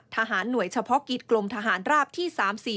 หน่วยเฉพาะกิจกรมทหารราบที่๓๔